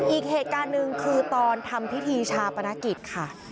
อีกเหตุการณ์หนึ่งคือตอนทำพิธีชาปนกิจค่ะ